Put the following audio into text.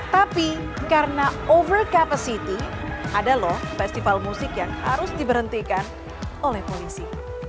tapi karena over capacity ada loh festival musik yang harus diberhentikan oleh polisi